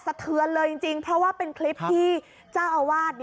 สะเทือนเลยจริงจริงเพราะว่าเป็นคลิปที่เจ้าอาวาสเนี่ย